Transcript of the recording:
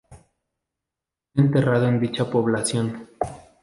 Fue enterrado en dicha población.